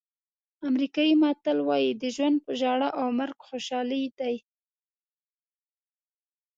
امریکایي متل وایي ژوند په ژړا او مرګ په خوشحالۍ دی.